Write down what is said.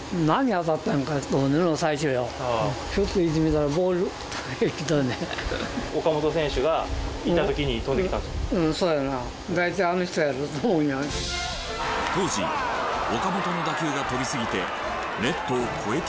当時岡本の打球が飛びすぎてネットを越えてしまうため。